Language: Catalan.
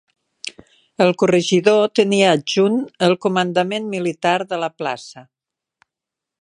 El corregidor tenia adjunt el comandament militar de la plaça.